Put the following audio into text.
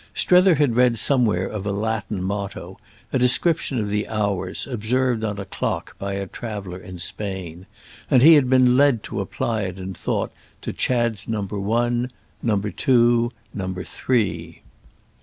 Strether had read somewhere of a Latin motto, a description of the hours, observed on a clock by a traveller in Spain; and he had been led to apply it in thought to Chad's number one, number two, number three.